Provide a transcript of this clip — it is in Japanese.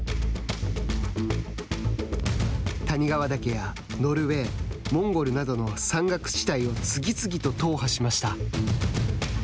谷川岳やノルウェーモンゴルなどの山岳地帯を次々と踏破しました。